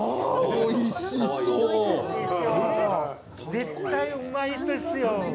絶対うまいですよ！